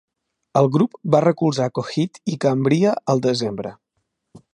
El grup va recolzar Coheed i Cambria al desembre.